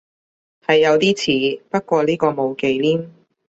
係有啲似，不過呢個冇忌廉